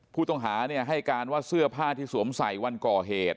ผู้ต้องหาให้การว่าเสื้อผ้าที่สวมใส่วันก่อเหตุ